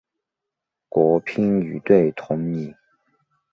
国乒女队同理。